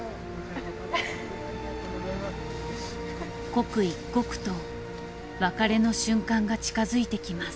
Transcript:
刻一刻と別れの瞬間が近づいてきます。